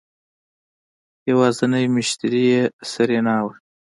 يوازينی مشتري يې سېرېنا وه.